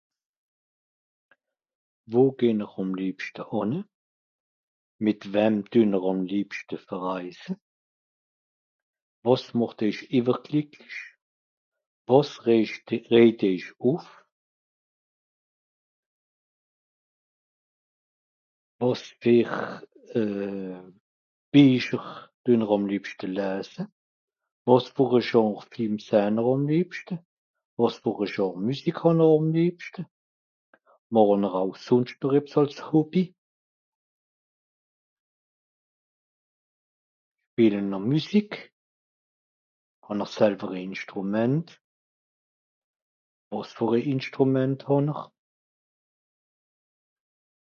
Wo gehn'r àm lìebschte ànne ? Mìt wem düe-n-r àm liebschte verreise ? Wàs màcht èich ìwwergìcklich ? Wàs réjcht é... réjt èich ùff ? Wàs fer euh... Bìecher due-n-r àm lìebschte lèse ? Wàs fer e Genre Film sèhn'r àm liebschte ? Wàs fer e Genre Müsik hàn-n-r àm lìebschte ? Màche-n-r au sùnscht doch ebbs àls Hobby ? Spìele-n-r Müsik. Hàn'r Sèlwer e Ìnschtrùment ? Wàs fer e ìnschtrùment hàn'r ?